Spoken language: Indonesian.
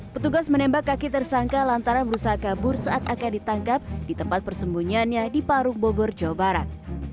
petugas menembak kaki tersangka lantaran berusaha kabur saat akan ditangkap di tempat persembunyiannya di parung bogor jawa barat